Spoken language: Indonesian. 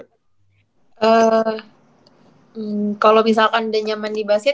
kalau misalkan udah nyaman di basket